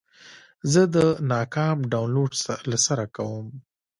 زه د ناکام ډاونلوډ له سره کوم.